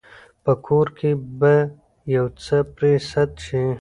په کور کې به يو څه پرې سد شي.